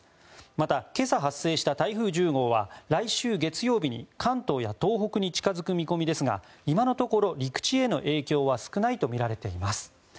また、今朝発生した台風１０号は来週月曜日に関東や東北に近づく見込みですが今のところ陸地への影響は少ないとみられています。